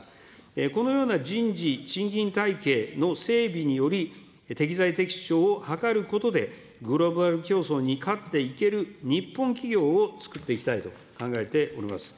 このような人事、賃金体系の整備により、適材適所を図ることで、グローバル競争に勝っていける日本企業を作っていきたいと考えております。